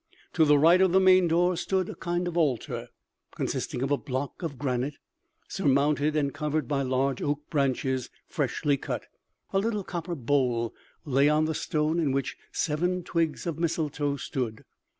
To the right of the main door stood a kind of altar, consisting of a block of granite, surmounted and covered by large oak branches freshly cut. A little copper bowl lay on the stone in which seven twigs of mistletoe stood.